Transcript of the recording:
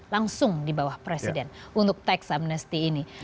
langsung di bawah presiden untuk tax amnesty ini